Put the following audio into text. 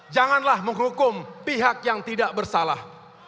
janganlah menghukum pihak yang tidak bersalah